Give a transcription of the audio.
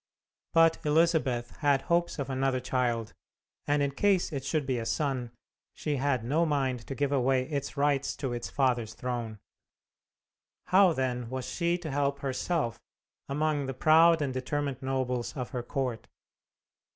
But Elizabeth had hopes of another child, and in case it should be a son, she had no mind to give away its rights to its father's throne. How, then, was she to help herself among the proud and determined nobles of her court?